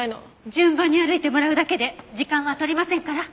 順番に歩いてもらうだけで時間は取りませんから。